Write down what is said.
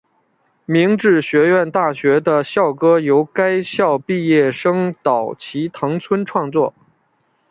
明治学院大学的校歌由该校毕业生岛崎藤村创作。